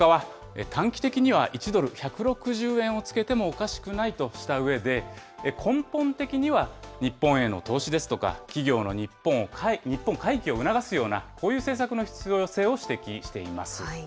専門家は短期的には１ドル１６０円をつけてもおかしくないとしたうえで、根本的には日本への投資ですとか、企業の日本回帰を促すような、こういう政策の必要性を指摘しています。